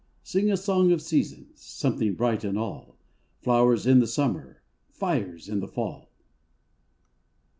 Sing a song of seasons! Something bright in all! Flowers in the summer! Fires in the fall!